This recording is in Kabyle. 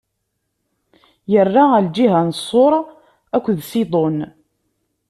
Irra ɣer lǧiha n Ṣur akked Ṣidun.